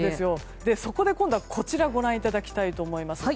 そこで今度は、こちらをご覧いただきたいと思います。